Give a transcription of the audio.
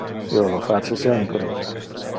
Io lo face sempre.